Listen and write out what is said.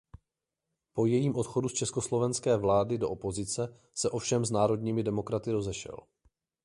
Po jejím odchodu z československé vlády do opozice se ovšem s národními demokraty rozešel.